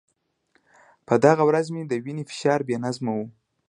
په دغه ورځ مې د وینې فشار بې نظمه و.